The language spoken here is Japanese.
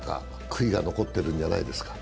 悔いが残っているんじゃないですか？